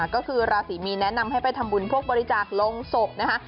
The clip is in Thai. ก็คือราศีมีนแนะนำให้ไปทำบุญพวกบริจาคลงศพนะคะ